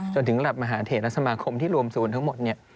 จนถึงระหว่ะมหาเทศและสมารคมที่รวมศูนย์ทั้งหมด